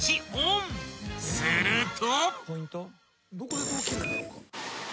［すると］